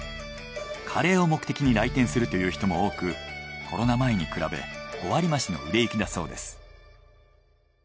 カレーを目的に来店するという人も多くコロナ前に比べ５割増しの売れ行きだそうです。